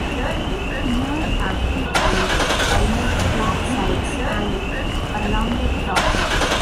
Mere have two convex, almost flat sides and a rounded top.